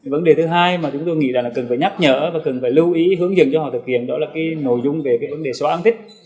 vấn đề thứ hai mà chúng tôi nghĩ là cần phải nhắc nhở và cần phải lưu ý hướng dừng cho họ thực hiện đó là nội dung về vấn đề xóa án thích